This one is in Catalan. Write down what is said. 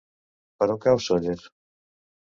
Per on cau Sóller?